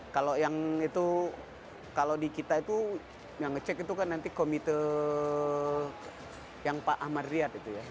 kalau yang itu kalau di kita itu yang ngecek itu kan nanti komite yang pak ahmad riyad itu ya